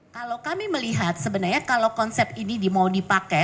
kalau kami melihat sebenarnya kalau konsep ini mau dipakai